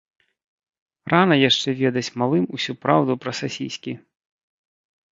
Рана яшчэ ведаць малым усю праўду пра сасіскі.